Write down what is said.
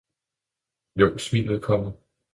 – jo, smilet kommer.